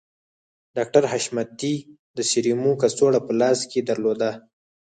ډاکټر حشمتي د سيرومو کڅوړه په لاس کې درلوده